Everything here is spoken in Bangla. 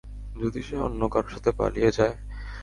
যদি সে অন্য কারো সাথে পালিয়ে যায়?